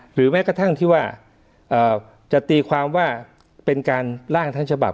แม้กระทั่งที่ว่าจะตีความว่าเป็นการล่างทั้งฉบับ